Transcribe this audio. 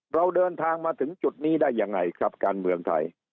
เราเดินทางมาถึงจุดนี้ได้ยังไงครับการเมืองไทย